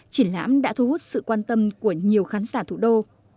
triển lãm đã thu hút sự quan tâm của nhiều khán giả thủ đô